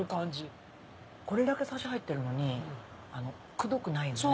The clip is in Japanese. これだけサシ入ってるのにくどくないのよね。